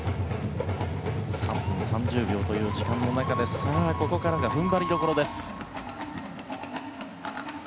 ３分３０秒という時間の中でさあ、ここからが踏ん張りどころです。